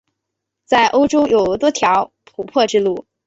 在欧洲有多条琥珀之路。